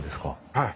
はい。